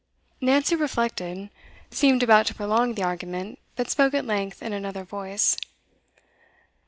Nancy reflected, seemed about to prolong the argument, but spoke at length in another voice.